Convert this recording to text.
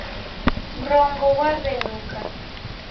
Mrongo ghwaw'enuka